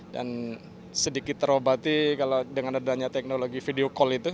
dan sedikit terobati kalau dengan adanya teknologi video